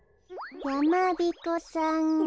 やまびこさんが。